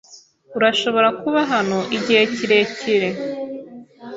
Urashobora kuba hano igihe kirekire.